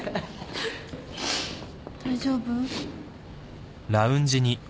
・・大丈夫？